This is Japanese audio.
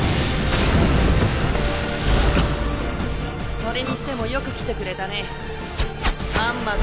それにしてもよく来てくれたねまんまと